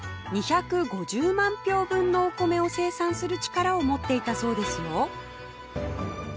２５０万俵分のお米を生産する力を持っていたそうですよ